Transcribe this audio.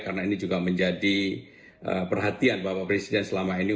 karena ini juga menjadi perhatian bapak presiden selama ini